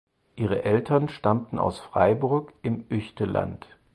Ihre Eltern stammten aus Freiburg im Üechtland.